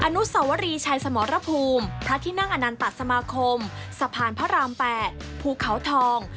อนุสวรีชัยสมรภูมิพระที่นั่งอนันตสมาคมสะพานพระราม๘ภูเขาทอง